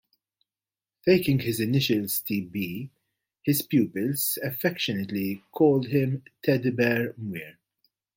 Taking his initials T B his pupils affectionately called him Teddy Bear Muir.